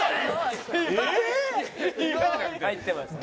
入ってますね。